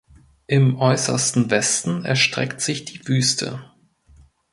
Im äußersten Westen erstreckt sich die Wüste.